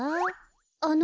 あの。